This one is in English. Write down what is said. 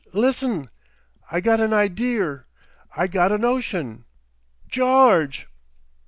list'n! I got an ideer. I got a notion! George!"